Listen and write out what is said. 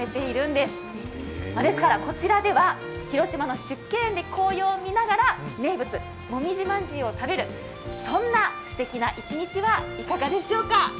ですから、こちらでは広島の縮景園で紅葉を見ながら名物、もみじ饅頭を食べる、そんなすてきな一日はいかがでしょうか？